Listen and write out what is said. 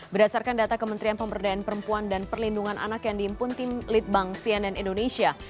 berdasarkan data kementerian pemberdayaan perempuan dan perlindungan anak yang diimpun tim litbang cnn indonesia